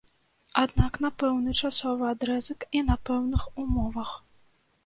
Аднак на пэўны часовы адрэзак і на пэўных умовах.